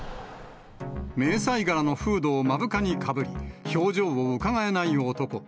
迷彩柄のフードを目深にかぶり、表情をうかがえない男。